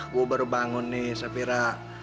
gue baru bangun nih sapira